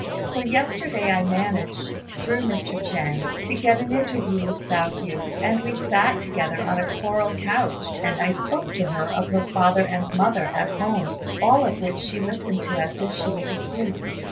So yesterday I managed, through Mr. Chiang, to get an interview with Hsiao hui; and we sat together on a coral couch, and I spoke to her of her father and mother at home, all of which she listened to as if she was asleep.